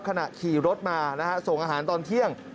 ขณะขี่รถมานะฮะส่งอาหารตอนเที่ยง